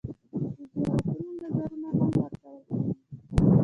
د زیارتونو نذرونه هم ورکول کېږي.